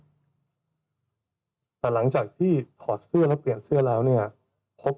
โชว์แสดงความบริสุทธิ์ใจว่าเสื้อไม่ขาด